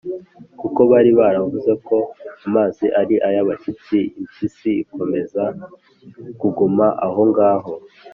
kuko bari bavuze ko amazi ari ay’abashyitsi, impyisi ikomeza kuguma aho ngaho.